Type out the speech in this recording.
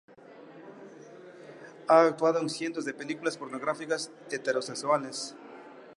Ha actuado en cientos de películas pornográficas heterosexuales.